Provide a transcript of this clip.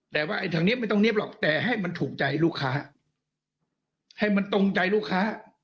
แต่ว่าไอ้ทางนี้ไม่ต้องเรียบหรอกแต่ให้มันถูกใจลูกค้าให้มันตรงใจลูกค้า